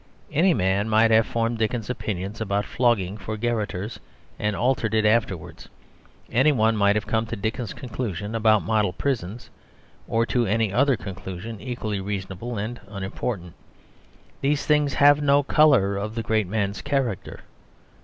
Any man might have formed Dickens's opinion about flogging for garrotters, and altered it afterwards. Any one might have come to Dickens's conclusion about model prisons, or to any other conclusion equally reasonable and unimportant. These things have no colour of the great man's character.